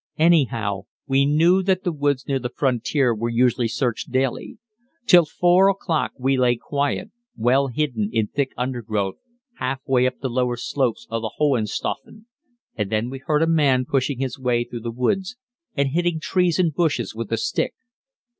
Anyhow, we knew that the woods near the frontier were usually searched daily. Till 4 o'clock we lay quiet, well hidden in thick undergrowth, half way up the lower slopes of the Hohenstoffen, and then we heard a man pushing his way through the woods and hitting trees and bushes with a stick.